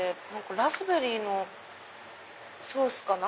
ラズベリーのソースかな？